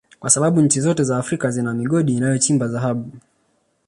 kwa sababu nchi zote za Afrika zina migodi inayochimba Dhahabu